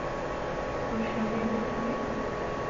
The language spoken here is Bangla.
তোর শালে এটা কী রে?